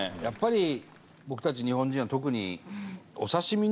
やっぱり僕たち日本人は特に。